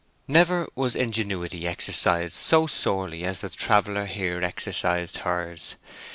Never was ingenuity exercised so sorely as the traveller here exercised hers.